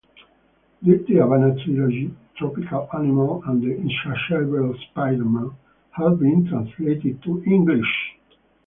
"Dirty Havana Trilogy", "Tropical Animal" and "The Insatiable Spiderman" have been translated to English.